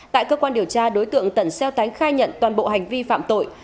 tại cơ quan điều tra đối tượng tẩn xeo tánh khai nhận toàn bộ hành vi phạm tội